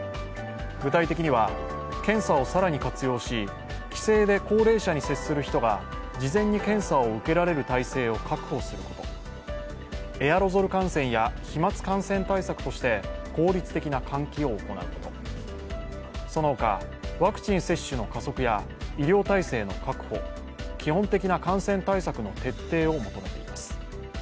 具体的には検査を更に活用し、帰省で高齢者に接する人が事前に検査を受けられる体制を確保すること、エアロゾル感染や飛まつ感染対策として効率的な換気を行うこと、その他、ワクチン接種の加速や医療体制の確保、基本的な感染対策の徹底を求めています。